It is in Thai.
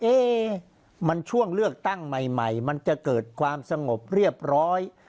เอ๊ะมันช่วงเลือกตั้งใหม่มันจะเกิดความสงบเรียบร้อย